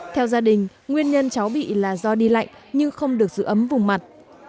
theo gia đình nguyên nhân cháu bị là do đi lạnh nhưng không được giữ ấm vùng mặt